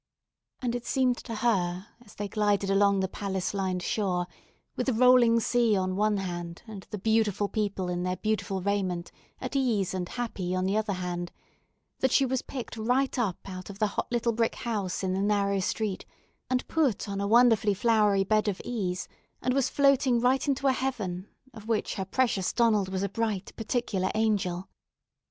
And it seemed to her as they glided along the palace lined shore, with the rolling sea on one hand, and the beautiful people in their beautiful raiment at ease and happy on the other hand, that she was picked right up out of the hot little brick house in the narrow street, and put on a wonderfully flowery bed of ease, and was floating right into a heaven of which her precious Donald was a bright, particular angel.